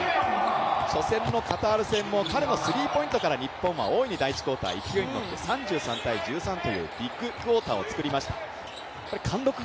初戦のカタール戦も彼のスリーポイントから日本は勢いに乗って３３−１１というビッグクオーターを作りました。